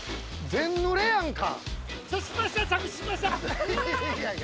全ぬれやんか。